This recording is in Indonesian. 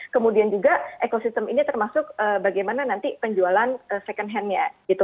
kemudian juga ekosistem ini termasuk bagaimana nanti penjualan second hand nya gitu